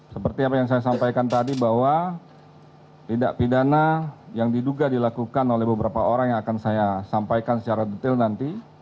seperti apa yang saya sampaikan tadi bahwa tidak pidana yang diduga dilakukan oleh beberapa orang yang akan saya sampaikan secara detail nanti